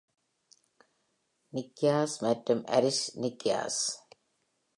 Nikaias மற்றும் Aris Nikaias.